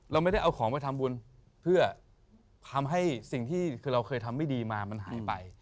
เราไม่ได้เอาของไปทำบุญเพื่อทำให้สิ่งที่คือเราเคยทำไม่ดีมามันหายไป